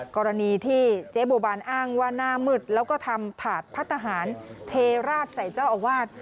กรณีที่เจ๊บัวบานอ้างว่าหน้ามืดแล้วก็ทำถาดพัฒนาหารเทราดใส่เจ้าอาวาส